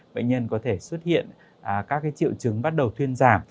bệnh nhân có thể xuất hiện các triệu chứng bắt đầu thuyên giảm